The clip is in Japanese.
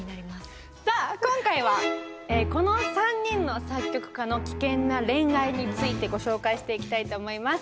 さあ今回はこの３人の作曲家の危険な恋愛についてご紹介していきたいと思います。